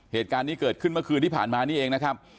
เหตุการณ์นี้เกิดขึ้นเมื่อคืนที่ผ่านมานี่เองนะครับ